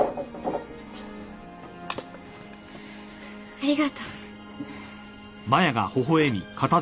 ありがとう。